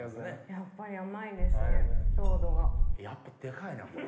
やっぱデカいなこれ。